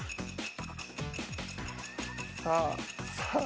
さあさあ